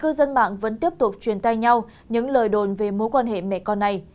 cư dân mạng vẫn tiếp tục truyền tay nhau những lời đồn về mối quan hệ mẹ con này